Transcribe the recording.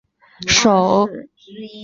首府基法。